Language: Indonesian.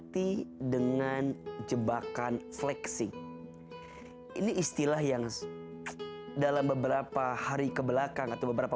pemirsa cnn indonesia yang dicintai allah subhanahu wa ta'ala